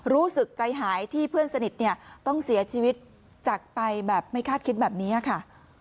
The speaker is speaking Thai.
รู้สึกใจหายที่เพื่อนสนิทเนี่ยต้องเสียชีวิตจากไปแบบไม่คาดคิดแบบนี้ค่ะ